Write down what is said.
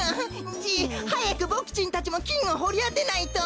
はやくボクちんたちもきんをほりあてないと！